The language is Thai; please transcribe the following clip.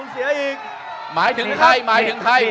คุณจิลายุเขาบอกว่ามันควรทำงานร่วมกัน